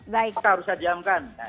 maka harus saya diamkan